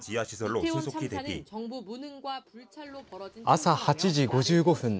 朝８時５５分